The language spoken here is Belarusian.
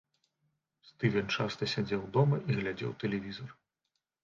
Стывен часта сядзеў дома і глядзеў тэлевізар.